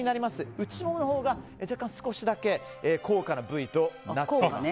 内モモのほうが若干高価な部位となっています。